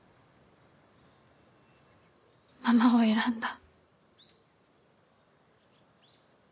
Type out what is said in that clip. ママを選んだ。